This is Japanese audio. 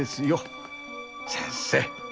先生！